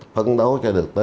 phấn đấu cho được